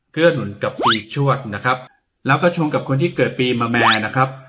หนุนกับปีชวดนะครับแล้วก็ชงกับคนที่เกิดปีมะแม่นะครับ